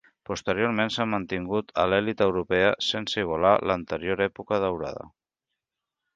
Posteriorment s'ha mantingut a l'elit europea sense igualar l'anterior època daurada.